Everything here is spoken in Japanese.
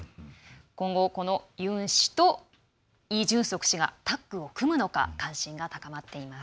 今後、このユン氏とイ・ジュンソク氏がタッグを組むのか関心が高まっています。